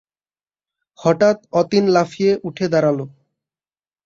হঠাৎ অতীন লাফিয়ে উঠে দাঁড়াল।